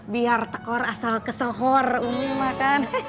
biar tekor asal kesel hor umi makan